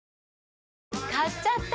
買っちゃった！